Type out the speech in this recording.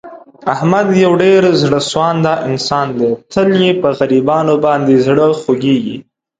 احمد یو ډېر زړه سواندی انسان دی. تل یې په غریبانو باندې زړه خوګېږي.